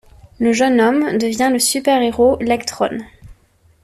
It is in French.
Le jeune homme devint le super-héros Lectronn.